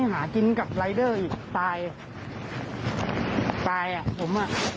หากินกับรายเดอร์อีกตายตายอ่ะผมอ่ะ